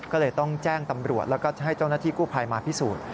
ก็เลยต้องแจ้งตำรวจแล้วก็ให้เจ้าหน้าที่กู้ภัยมาพิสูจน์